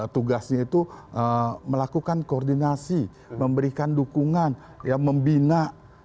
tugasnya itu melakukan koordinasi memberikan dukungan membina